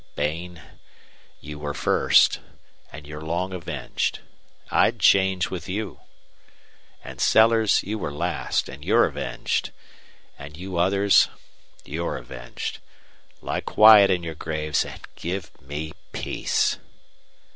Bain, you were first, and you're long avenged. I'd change with you. And Sellers, you were last, and you're avenged. And you others you're avenged. Lie quiet in your graves and give me peace!"